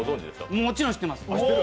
もちろん知ってます。